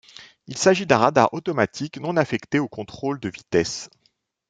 Il s'agit d'un radar automatique non affecté au contrôle de vitesse.